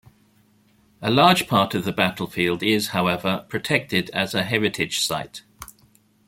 A large part of the battlefield is, however, protected as a heritage site.